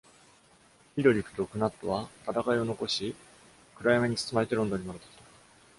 Eadric と Cnut は戦いを残し、暗闇に包まれてロンドンに戻ってきた。